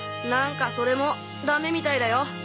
何かそれもダメみたいだよ。